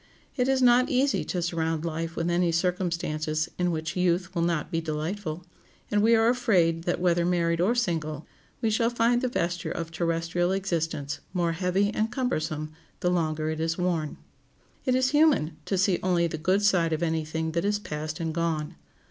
It is not easy to surround life with any circumstances in which youth will not be delightful; and we are afraid that, whether married or single, we shall find the vesture of terrestrial existence more heavy and cumbersome the longer it is worn. It is human to see only the good side of any thing that is past and gone.